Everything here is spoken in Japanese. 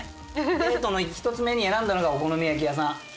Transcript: デートの１つ目に選んだのがお好み焼き屋さん。